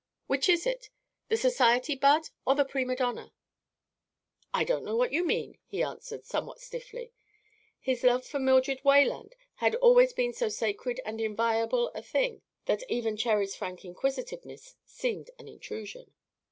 Which is it the society bud or the prima donna?" "I don't know what you mean," he answered, somewhat stiffly. His love for Mildred Wayland had always been so sacred and inviolable a thing that even Cherry's frank inquisitiveness seemed an intrusion.